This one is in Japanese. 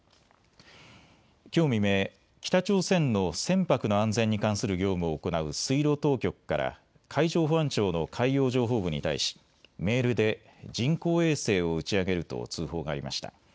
きょう未明、北朝鮮の船舶の安全に関する業務を行う水路当局から海上保安庁の海洋情報部に対しメールで人工衛星を打ち上げると通報がありました。